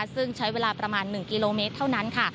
ซึ่งใช้เวลาประมาณ๑กิโลเมตรเท่านั้นค่ะ